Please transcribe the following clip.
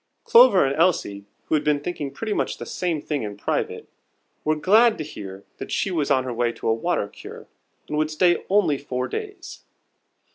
Clover and Elsie, who had been thinking pretty much the same thing in private, were glad to hear that she was on her way to a Water Cure, and would stay only four days.